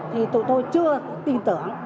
thì tụi tôi chưa tin tưởng